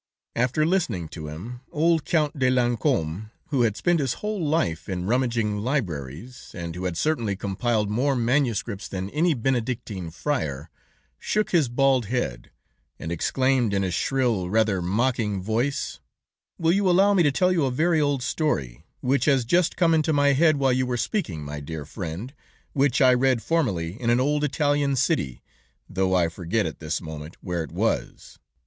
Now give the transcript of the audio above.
After listening to him, old Count de Lancolme, who had spent his whole life in rummaging libraries, and who had certainly compiled more manuscripts than any Benedectine friar, shook his bald head, and exclaimed in his shrill, rather mocking voice: "Will you allow me to tell you a very old story, which has just come into my head, while you were speaking, my dear friend, which I read formerly in an old Italian city, though I forget at this moment where it was?